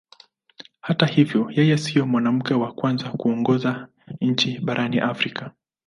Hata hivyo yeye sio mwanamke wa kwanza kuongoza nchi barani Afrika.